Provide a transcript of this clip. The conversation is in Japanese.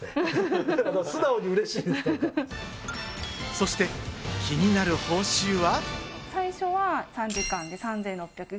そして気になる報酬は。